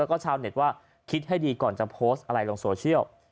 แล้วก็ชาวเน็ตว่าคิดให้ดีก่อนจะโพสต์อะไรลงโซเชียล